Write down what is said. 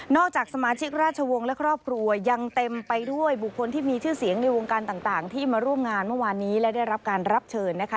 จากสมาชิกราชวงศ์และครอบครัวยังเต็มไปด้วยบุคคลที่มีชื่อเสียงในวงการต่างที่มาร่วมงานเมื่อวานนี้และได้รับการรับเชิญนะคะ